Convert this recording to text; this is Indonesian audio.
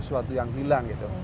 suatu yang hilang gitu